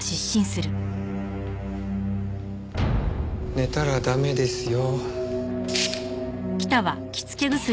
寝たら駄目ですよ。